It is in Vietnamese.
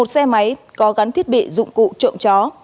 một xe máy có gắn thiết bị dụng cụ trộm chó